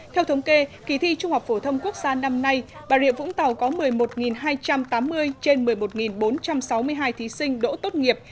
theo thống kê kỳ thi trung học phổ thông quốc gia năm nay bà rịa vũng tàu có một mươi một hai trăm tám mươi trên một mươi một bốn trăm sáu mươi hai thí sinh đỗ tốt nghiệp